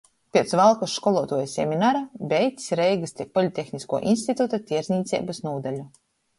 Piec Valkys školuotuoju seminara beidzs Reigys Politehniskuo instituta Tierdznīceibys nūdaļu,